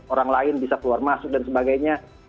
orang lain bisa keluar masuk dan sebagainya